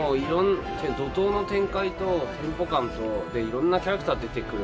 怒とうの展開とテンポ感といろんなキャラクター出てくるんで。